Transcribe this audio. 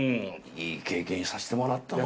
いい経験させてもらったなあ。